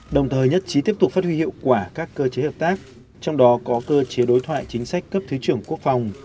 đồng thời nhất trí tiếp tục phát huy hiệu quả các cơ chế hợp tác trong đó có cơ chế đối thoại chính sách cấp thứ trưởng quốc phòng